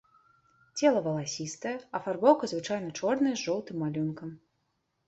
Цела валасістае, афарбоўка звычайна чорная з жоўтым малюнкам.